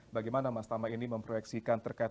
bagaimana mas tama ini memproyeksikan terkait